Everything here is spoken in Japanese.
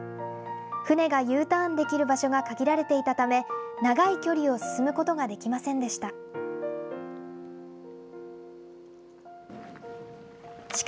船がＵターンできる場所が限られていたため、長い距離を進むことができませんでした。